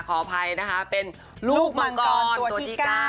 ขออภัยนะคะเป็นลูกมังกรตัวที่๙